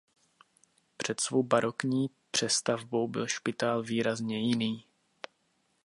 Před svou barokní přestavbou byl špitál výrazně jiný.